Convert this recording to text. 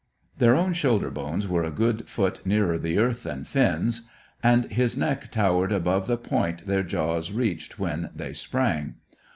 Their own shoulder bones were a good foot nearer the earth than Finn's, and his neck towered above the point their jaws reached when they sprang.